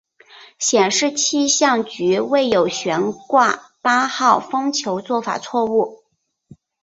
显示气象局未有悬挂八号风球做法错误。